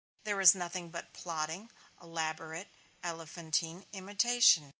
There is nothing but plodding, elaborate, elephantine imitation.